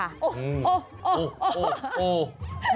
โอ๊ะโอ๊ะโอ๊ะโอ๊ะ